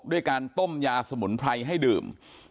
ด้วยการต้มยาสมุนไพรให้ดื่ม